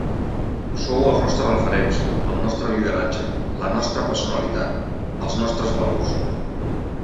Sou els nostres referents, el nostre lideratge, la nostra personalitat, els nostres valors.